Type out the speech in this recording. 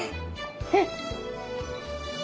えっ！？